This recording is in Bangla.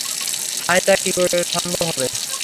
হায় তা কি সম্ভব হবে!